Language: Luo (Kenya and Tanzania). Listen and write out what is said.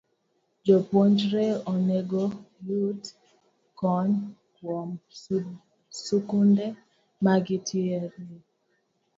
Jopuonjre onego oyud kony kuom skunde ma gintiere